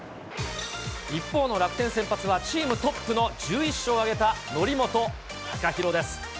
一方の楽天先発は、チームトップの１１勝を挙げた則本昂大です。